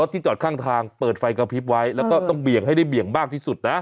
ที่จอดข้างทางเปิดไฟกระพริบไว้แล้วก็ต้องเบี่ยงให้ได้เบี่ยงมากที่สุดนะ